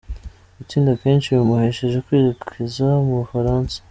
Gutsinda kenshi bimuhesheje kwerekeza mu Bufaransa.